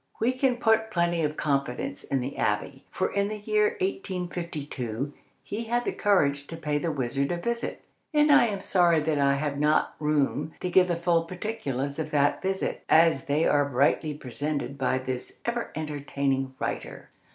We can put plenty of confidence in the abbé, for in the year 1852 he had the courage to pay the wizard a visit, and I am sorry that I have not room to give the full particulars of that visit as they are brightly presented by this ever entertaining writer.